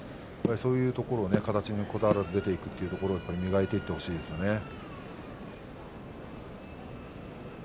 そういうところ、形にこだわらず出ていくというところを磨いていってほしいですね。